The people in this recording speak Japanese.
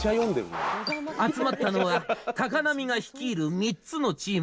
「集まったのは高波が率いる３つのチーム。」